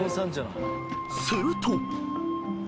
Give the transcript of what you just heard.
［すると］